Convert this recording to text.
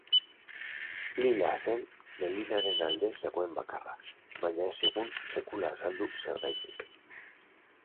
Lila zen Melinaren alde zegoen bakarra, baina ez zigun sekula azaldu zergatik.